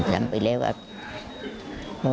ก็นำไปแล้วละ